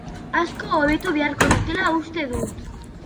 Asko hobetu beharko dutela uste du.